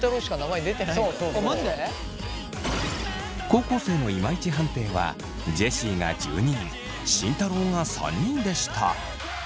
高校生のいまいち判定はジェシーが１２人慎太郎が３人でした。